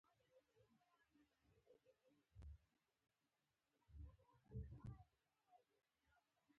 د هند د وایسرا دفتر مالټا ته په محرم مکتوب کې لیکلي.